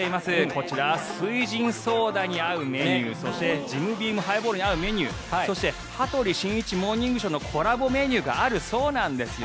こちら翠ジンソーダに合うメニューそしてジムビームハイボールに合うメニューそして「羽鳥慎一モーニングショー」のコラボメニューがあるそうなんですよ。